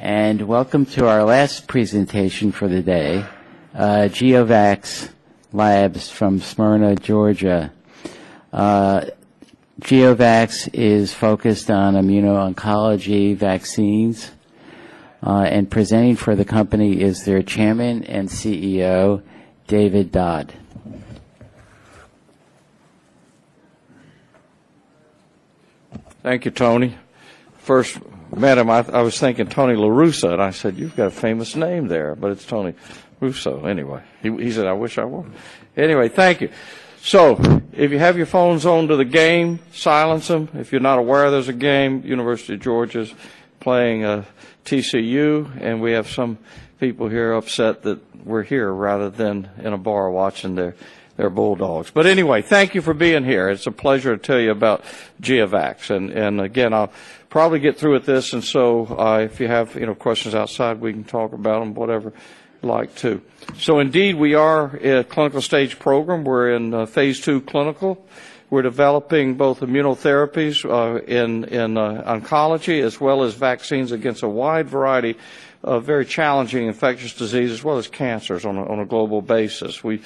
Welcome to our last presentation for the day, GeoVax Labs from Smyrna, Georgia. GeoVax is focused on immuno-oncology vaccines. Presenting for the company is their Chairman and CEO, David Dodd. Thank you, Tony. First met him, I was thinking Tony La Russa, and I said, "You've got a famous name there," but it's Tony Russo. Anyway. He said, "I wish I were." Anyway, thank you. If you have your phones on to the game, silence them. If you're not aware, there's a game, University of Georgia's playing TCU, and we have some people here upset that we're here rather than in a bar watching their Bulldogs. Thank you for being here. It's a pleasure to tell you about GeoVax. Again, I'll probably get through with this, so, if you have, you know, questions outside, we can talk about them, whatever you'd like to. Indeed, we are a clinical stage program. We're in phase II clinical. We're developing both immunotherapies in oncology, as well as vaccines against a wide variety of very challenging infectious diseases, as well as cancers on a global basis. We've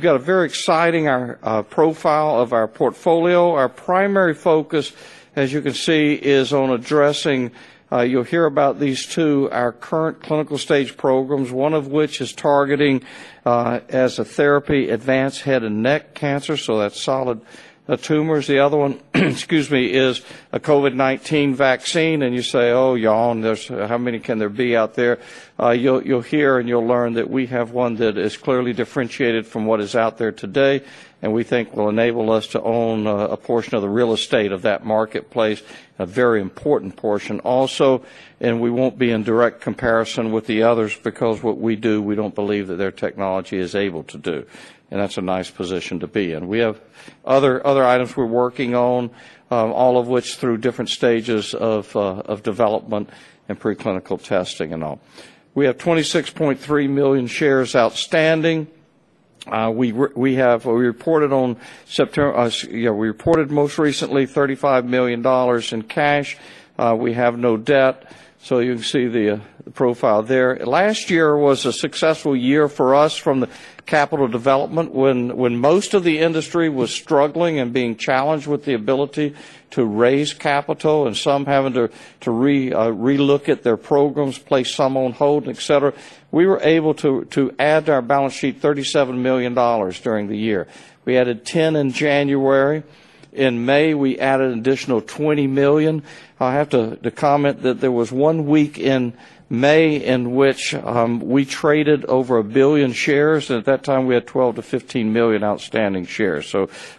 got a very exciting our profile of our portfolio. Our primary focus, as you can see, is on addressing, you'll hear about these two, our current clinical stage programs, one of which is targeting as a therapy, advanced head and neck cancer, so that's solid tumors. The other one, excuse me, is a COVID-19 vaccine. You say, "Oh, y'all, and there's, how many can there be out there?" You'll hear and you'll learn that we have one that is clearly differentiated from what is out there today, and we think will enable us to own a portion of the real estate of that marketplace, a very important portion also. We won't be in direct comparison with the others because what we do, we don't believe that their technology is able to do. That's a nice position to be in. We have other items we're working on, all of which through different stages of development and preclinical testing and all. We have 26.3 million shares outstanding. We reported most recently $35 million in cash. We have no debt. You can see the profile there. Last year was a successful year for us from the capital development when most of the industry was struggling and being challenged with the ability to raise capital and some having to re-look at their programs, place some on hold, et cetera. We were able to add to our balance sheet $37 million during the year. We added $10 million in January. In May, we added an additional $20 million. I have to comment that there was one week in May in which we traded over 1 billion shares, and at that time, we had 12 million-15 million outstanding shares.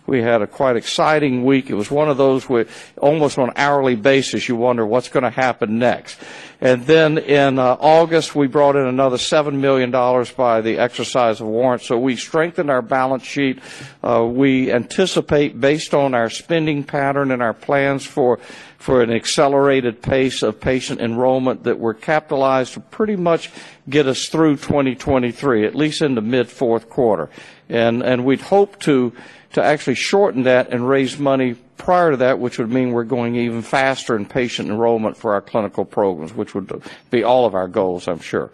We had a quite exciting week. It was one of those where almost on an hourly basis, you wonder what's gonna happen next. Then in August, we brought in another $7 million by the exercise of warrants. We strengthened our balance sheet. We anticipate based on our spending pattern and our plans for an accelerated pace of patient enrollment that we're capitalized to pretty much get us through 2023, at least in the mid fourth quarter. We'd hope to actually shorten that and raise money prior to that, which would mean we're going even faster in patient enrollment for our clinical programs, which would be all of our goals, I'm sure.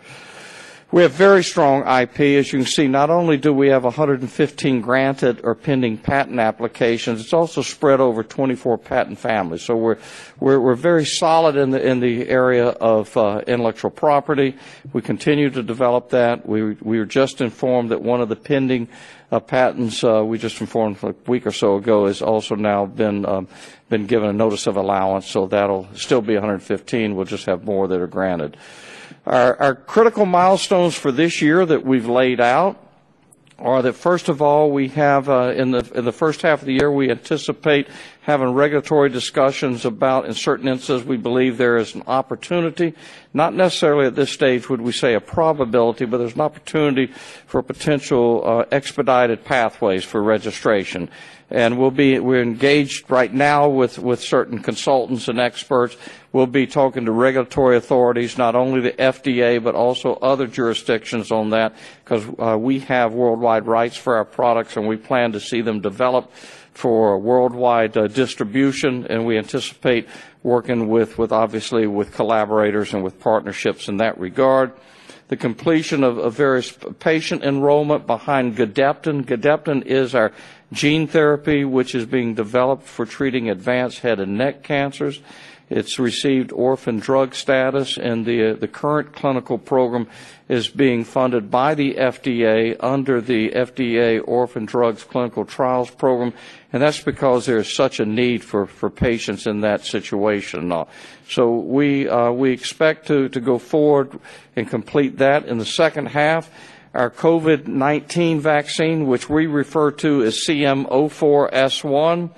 We have very strong IP, as you can see. Not only do we have 115 granted or pending patent applications, it's also spread over 24 patent families. We're very solid in the area of intellectual property. We continue to develop that. We were just informed that one of the pending patents, we just informed a week or so ago, has also now been given a notice of allowance. That'll still be 115. We'll just have more that are granted. Our critical milestones for this year that we've laid out are that, first of all, we have in the first half of the year, we anticipate having regulatory discussions about, in certain instances, we believe there is an opportunity. Not necessarily at this stage would we say a probability, but there's an opportunity for potential expedited pathways for registration. We're engaged right now with certain consultants and experts. We'll be talking to regulatory authorities, not only the FDA, but also other jurisdictions on that, 'cause we have worldwide rights for our products, we plan to see them develop for worldwide distribution. We anticipate working with, obviously with collaborators and with partnerships in that regard. The completion of various patient enrollment behind Gedeptin. Gedeptin is our gene therapy, which is being developed for treating advanced head and neck cancers. It's received Orphan Drug status, the current clinical program is being funded by the FDA under the FDA's Office of Orphan Products Development Clinical Trials Grants Program, and that's because there's such a need for patients in that situation now. We expect to go forward and complete that. In the second half, our COVID-19 vaccine, which we refer to as GEO-CM04S1,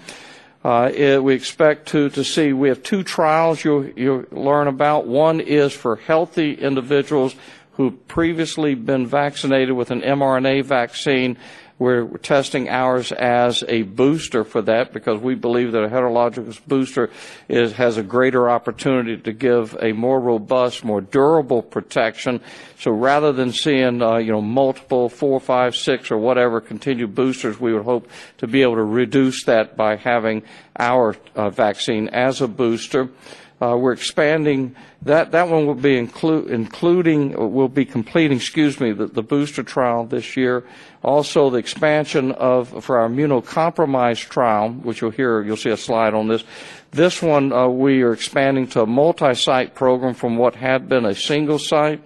we expect to see we have two trials you'll learn about. One is for healthy individuals who previously been vaccinated with an mRNA vaccine. We're testing ours as a booster for that because we believe that a heterologous booster has a greater opportunity to give a more robust, more durable protection. Rather than seeing, you know, multiple four, five, six or whatever continued boosters, we would hope to be able to reduce that by having our vaccine as a booster. We're expanding. That one will be completing, excuse me, the booster trial this year. The expansion for our immunocompromised trial, which you'll see a slide on this. This one, we are expanding to a multi-site program from what had been a single site.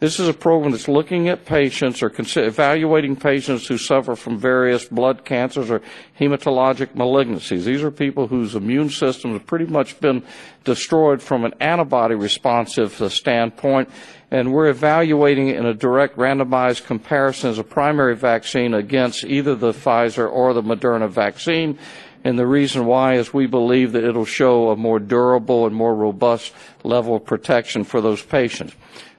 This is a program that's looking at patients or evaluating patients who suffer from various blood cancers or hematologic malignancies. These are people whose immune system has pretty much been destroyed from an antibody responsive standpoint. We're evaluating it in a direct randomized comparison as a primary vaccine against either the Pfizer or the Moderna vaccine. The reason why is we believe that it'll show a more durable and more robust level of protection for those patients.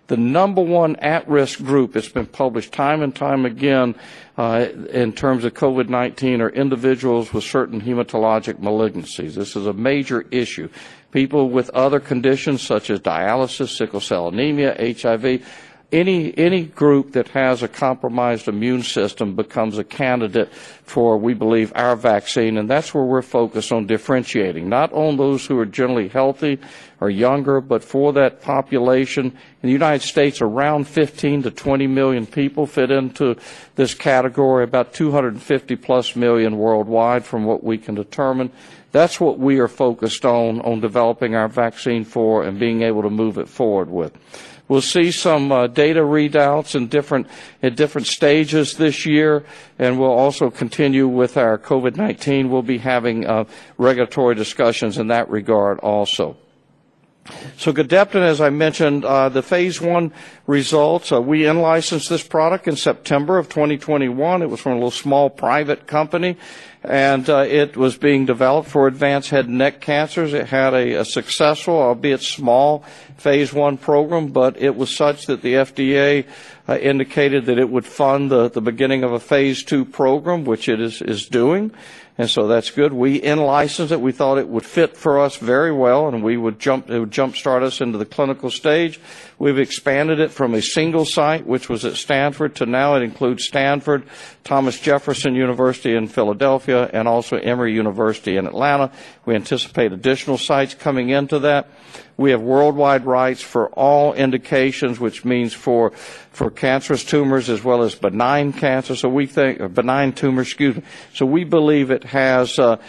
The number one at-risk group that's been published time and time again, in terms of COVID-19 are individuals with certain hematologic malignancies. This is a major issue. People with other conditions such as dialysis, sickle cell anemia, HIV, any group that has a compromised immune system becomes a candidate for, we believe, our vaccine. That's where we're focused on differentiating. Not on those who are generally healthy or younger, but for that population. In the United States, around 15-20 million people fit into this category, about 250+ million worldwide from what we can determine. That's what we are focused on developing our vaccine for and being able to move it forward with. We'll see some data readouts in different, at different stages this year, and we'll also continue with our COVID-19. We'll be having regulatory discussions in that regard also. Gedeptin, as I mentioned, the phase I results, we in-licensed this product in September of 2021. It was from a little small private company, and it was being developed for advanced head and neck cancers. It had a successful, albeit small, phase I program, but it was such that the FDA indicated that it would fund the beginning of a phase II program, which it is doing. That's good. We in-licensed it. We thought it would fit for us very well, and it would jumpstart us into the clinical stage. We've expanded it from a single site, which was at Stanford, to now it includes Stanford, Thomas Jefferson University in Philadelphia, and also Emory University in Atlanta. We anticipate additional sites coming into that. We have worldwide rights for all indications, which means for cancerous tumors as well as benign cancers, benign tumors, excuse me. We believe it has a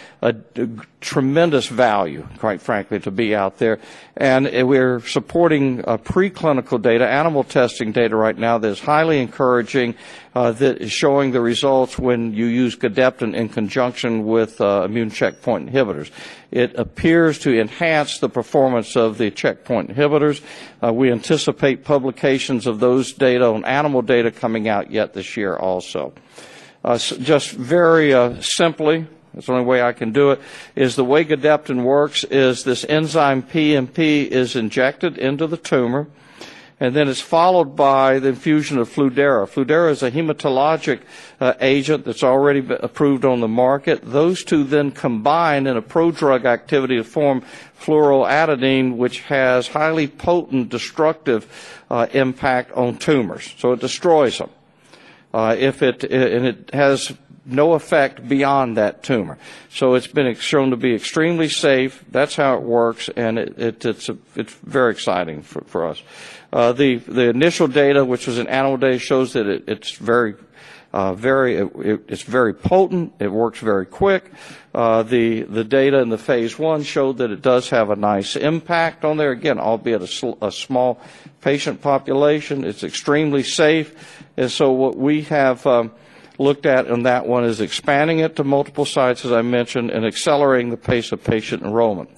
tremendous value, quite frankly, to be out there. We're supporting preclinical data, animal testing data right now that is highly encouraging that is showing the results when you use Gedeptin in conjunction with immune checkpoint inhibitors. It appears to enhance the performance of the checkpoint inhibitors. We anticipate publications of those data on animal data coming out yet this year also. Just very simply, it's the only way I can do it, is the way Gedeptin works is this enzyme PNP is injected into the tumor and then is followed by the infusion of Fludara. Fludara is a hematologic agent that's already approved on the market. Those two then combine in a prodrug activity to form fluoroadenine, which has highly potent destructive impact on tumors. It destroys them. If it has no effect beyond that tumor. It's been shown to be extremely safe. That's how it works, and it's very exciting for us. The initial data, which were animal data, shows that it's very, very potent. It works very quick. The data in the phase I showed that it does have a nice impact on there. Again, albeit a small patient population. It's extremely safe. What we have looked at on that one is expanding it to multiple sites, as I mentioned, and accelerating the pace of patient enrollment.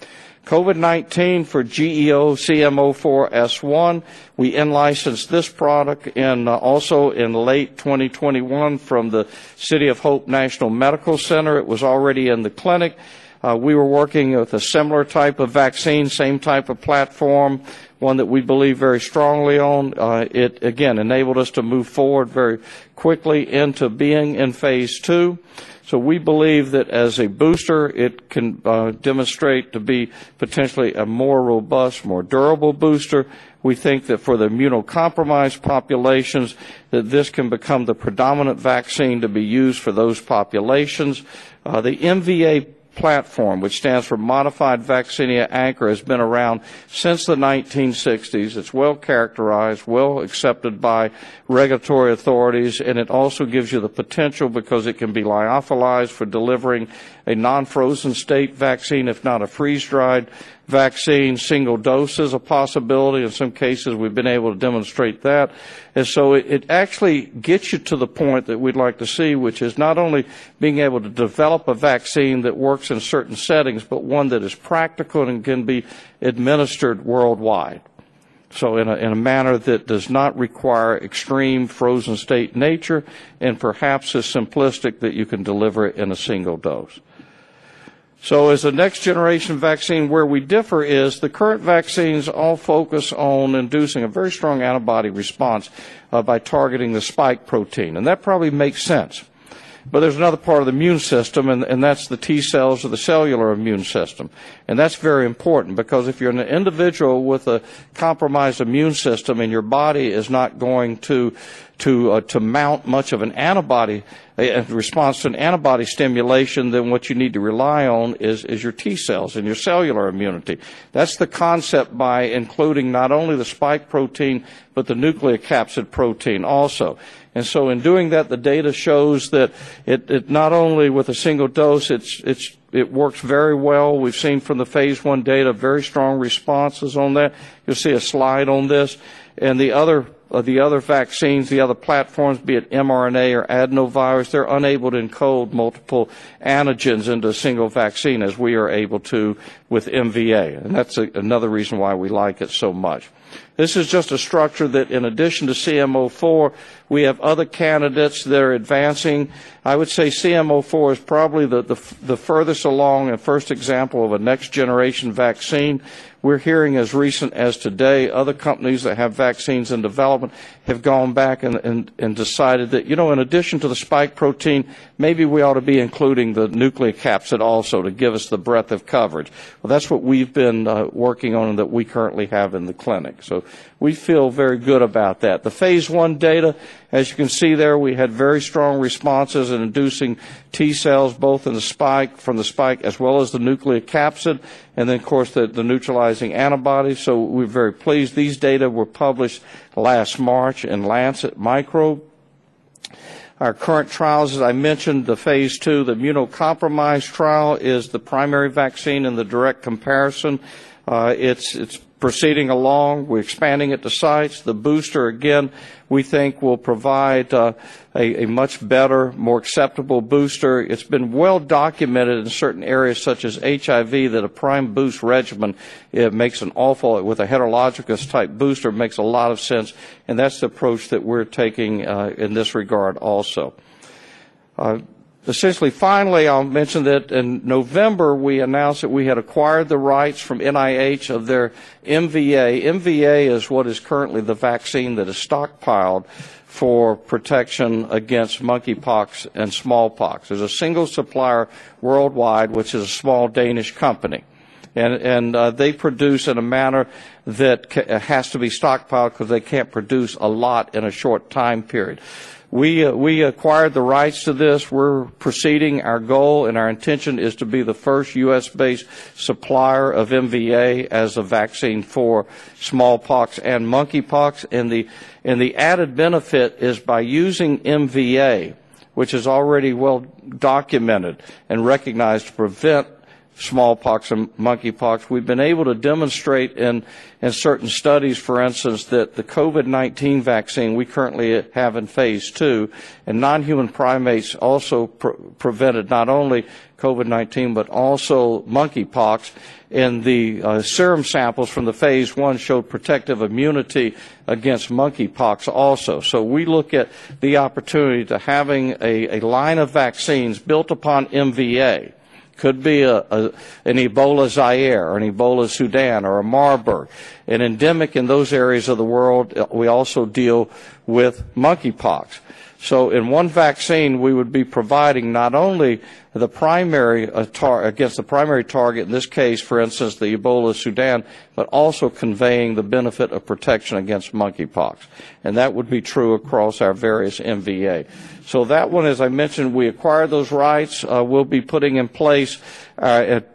COVID-19 for GEO-CM04S1, we in-licensed this product in also in late 2021 from the City of Hope National Medical Center. It was already in the clinic. We were working with a similar type of vaccine, same type of platform, one that we believe very strongly on. It again enabled us to move forward very quickly into being in phase II. We believe that as a booster, it can demonstrate to be potentially a more robust, more durable booster. We think that for the immunocompromised populations, that this can become the predominant vaccine to be used for those populations. The MVA platform, which stands for Modified Vaccinia Ankara, has been around since the 1960s. It's well-characterized, well-accepted by regulatory authorities, and it also gives you the potential because it can be lyophilized for delivering a non-frozen state vaccine, if not a freeze-dried vaccine. Single dose is a possibility. In some cases, we've been able to demonstrate that. It actually gets you to the point that we'd like to see, which is not only being able to develop a vaccine that works in certain settings, but one that is practical and can be administered worldwide. In a manner that does not require extreme frozen state nature and perhaps as simplistic that you can deliver it in a single dose. As a next-generation vaccine, where we differ is the current vaccines all focus on inducing a very strong antibody response by targeting the spike protein, and that probably makes sense. There's another part of the immune system and that's the T cells or the cellular immune system, and that's very important because if you're an individual with a compromised immune system and your body is not going to mount much of an antibody, a response to an antibody stimulation, then what you need to rely on is your T cells and your cellular immunity. That's the concept by including not only the spike protein but the nucleocapsid protein also. In doing that, the data shows that it not only with a single dose, it's it works very well. We've seen from the phase I data very strong responses on that. You'll see a slide on this. The other vaccines, the other platforms, be it mRNA or adenovirus, they're unable to encode multiple antigens into a single vaccine as we are able to with MVA, and that's another reason why we like it so much. This is just a structure that in addition to CM004, we have other candidates that are advancing. I would say CM004 is probably the furthest along and first example of a next-generation vaccine. We're hearing as recent as today other companies that have vaccines in development have gone back and decided that, "You know, in addition to the spike protein, maybe we ought to be including the nucleocapsid also to give us the breadth of coverage." That's what we've been working on and that we currently have in the clinic. We feel very good about that. The phase I data, as you can see there, we had very strong responses in inducing T cells, both in the spike, from the spike, as well as the nucleocapsid, then of course the neutralizing antibodies. We're very pleased. These data were published last March in The Lancet Microbe. Our current trials, as I mentioned, the phase II, the immunocompromised trial is the primary vaccine in the direct comparison. It's proceeding along. We're expanding it to sites. The booster again we think will provide a much better, more acceptable booster. It's been well documented in certain areas such as HIV that a prime-boost regimen makes an awful lot with a heterologous-type booster makes a lot of sense, that's the approach that we're taking in this regard also. Essentially finally, I'll mention that in November we announced that we had acquired the rights from NIH to their MVA. MVA is what is currently the vaccine that is stockpiled for protection against monkeypox and smallpox. There's a single supplier worldwide, which is a small Danish company. They produce in a manner that has to be stockpiled 'cause they can't produce a lot in a short time period. We acquired the rights to this. We're proceeding. Our goal and our intention is to be the first U.S.-based supplier of MVA as a vaccine for smallpox and monkeypox. The added benefit is by using MVA, which is already well documented and recognized to prevent smallpox and monkeypox. We've been able to demonstrate in certain studies, for instance, that the COVID-19 vaccine we currently have in phase II in non-human primates also prevented not only COVID-19, but also monkeypox, and the serum samples from the phase I showed protective immunity against monkeypox also. We look at the opportunity to having a line of vaccines built upon MVA. Could be an Ebola Zaire or an Ebola Sudan or a Marburg. In endemic in those areas of the world, we also deal with monkeypox. In one vaccine, we would be providing not only the primary against the primary target, in this case, for instance, the Ebola Sudan, but also conveying the benefit of protection against monkeypox, and that would be true across our various MVA. We'll be putting in place,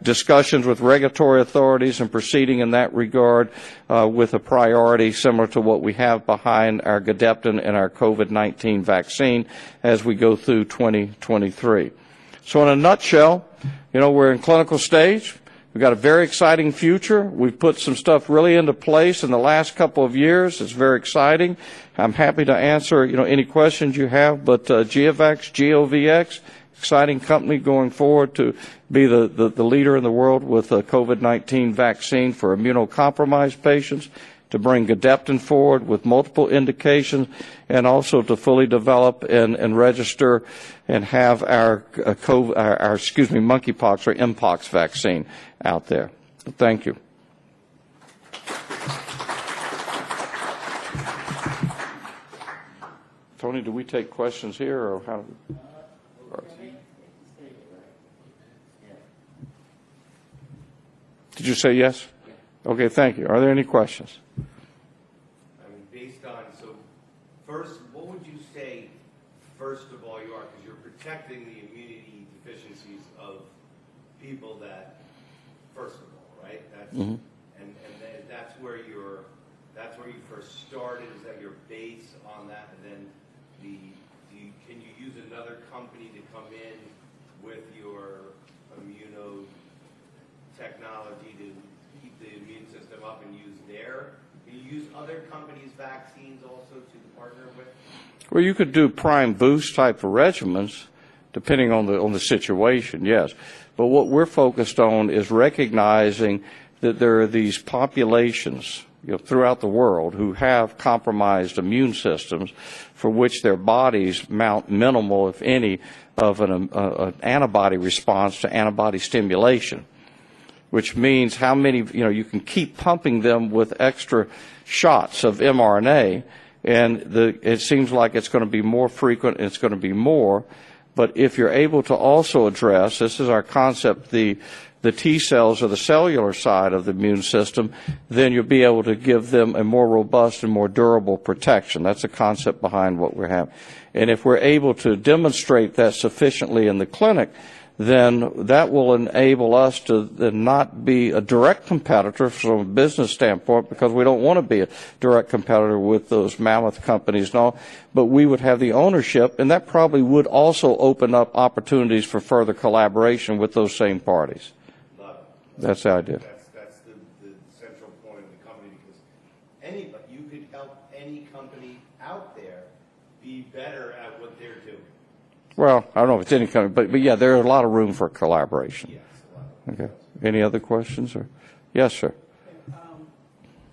discussions with regulatory authorities and proceeding in that regard, with a priority similar to what we have behind our Gedeptin and our COVID-19 vaccine as we go through 2023. In a nutshell, you know, we're in clinical stage. We've got a very exciting future. We've put some stuff really into place in the last couple of years. It's very exciting. I'm happy to answer, you know, any questions you have. GOVX, G-O-V-X, exciting company going forward to be the leader in the world with a COVID-19 vaccine for immunocompromised patients, to bring Gedeptin forward with multiple indications, and also to fully develop and register and have our, excuse me, monkeypox or Mpox vaccine out there. Thank you. Tony, do we take questions here or how? We'll take it stage, right? Yeah. Did you say yes? Yes. Okay, thank you. Are there any questions? I mean, based on. First, what would you say, first of all, you are? 'Cause you're protecting the immunity deficiencies of people that first of all, right? That's where you first started. Is that your base on that? Can you use another company to come in with your immunotechnology to keep the immune system up and use their. Do you use other companies' vaccines also to partner with? Well, you could do prime-boost type of regimens depending on the, on the situation, yes. What we're focused on is recognizing that there are these populations, you know, throughout the world who have compromised immune systems for which their bodies mount minimal, if any, of an antibody response to antibody stimulation. Which means how many. You know, you can keep pumping them with extra shots of mRNA, and it seems like it's gonna be more frequent and it's gonna be more. If you're able to also address, this is our concept, the T cells or the cellular side of the immune system, then you'll be able to give them a more robust and more durable protection. That's the concept behind what we have. If we're able to demonstrate that sufficiently in the clinic, then that will enable us to not be a direct competitor from a business standpoint, because we don't wanna be a direct competitor with those mammoth companies and all. We would have the ownership, and that probably would also open up opportunities for further collaboration with those same parties. Love it. That's the idea. That's the central point of the company, because you could help any company out there be better at what they're doing. Well, I don't know if it's any company, but yeah, there's a lot of room for collaboration. Yes, a lot of room. Okay. Any other questions or... Yes, sir?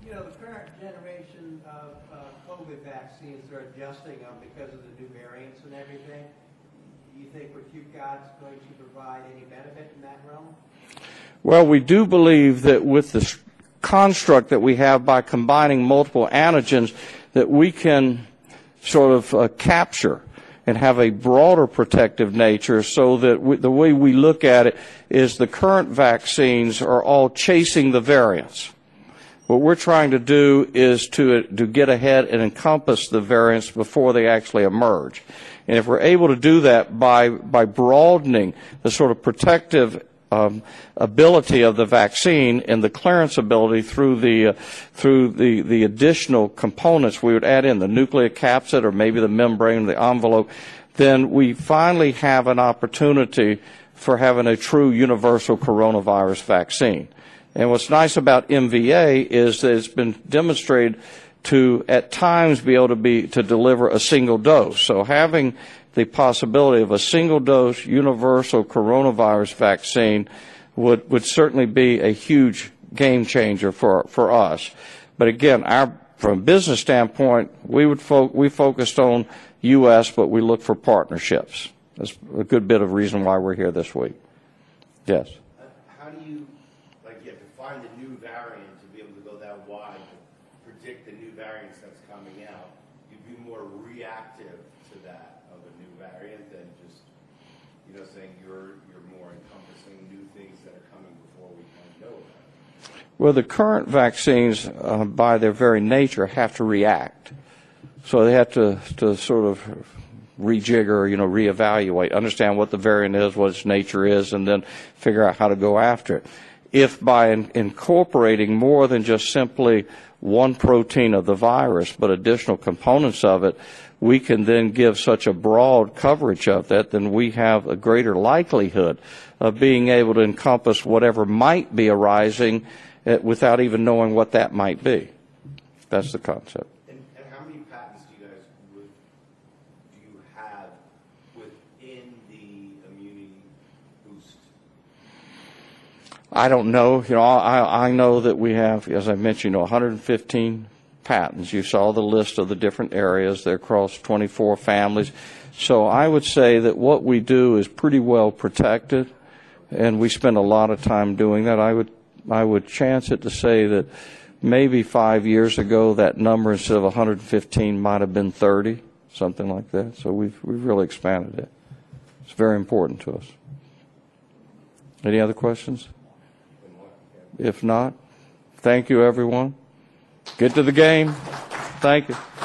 You know, the current generation of COVID vaccines are adjusting now because of the new variants and everything. Do you think what you've got is going to provide any benefit in that realm? Well, we do believe that with the construct that we have by combining multiple antigens, that we can sort of capture and have a broader protective nature so that the way we look at it is the current vaccines are all chasing the variants. What we're trying to do is to get ahead and encompass the variants before they actually emerge. If we're able to do that by broadening the sort of protective ability of the vaccine and the clearance ability through the additional components we would add in, the nucleocapsid or maybe the membrane, the envelope, then we finally have an opportunity for having a true universal coronavirus vaccine. What's nice about MVA is that it's been demonstrated to, at times, to deliver a single dose. Having the possibility of a single-dose universal coronavirus vaccine would certainly be a huge game changer for us. Again, from a business standpoint, we're focused on U.S., but we look for partnerships. That's a good bit of reason why we're here this week. Yes? Like, you have to find the new variant to be able to go that wide to predict the new variants that's coming out. You'd be more reactive to that, of a new variant, than just, you know, saying you're more encompassing new things that are coming before we even know about it. Well, the current vaccines, by their very nature, have to react. They have to sort of rejigger, you know, reevaluate, understand what the variant is, what its nature is, and then figure out how to go after it. If by incorporating more than just simply one protein of the virus but additional components of it, we can then give such a broad coverage of that, then we have a greater likelihood of being able to encompass whatever might be arising, without even knowing what that might be. That's the concept. How many patents do you have within the immunity boost? I don't know. You know, I know that we have, as I mentioned, 115 patents. You saw the list of the different areas. They're across 24 families. I would say that what we do is pretty well-protected, and we spend a lot of time doing that. I would chance it to say that maybe five years ago, that numbers of 115 might've been 30, something like that. We've really expanded it. It's very important to us. Any other questions? If not, thank you, everyone. Get to the game. Thank you. Okay. Thanks.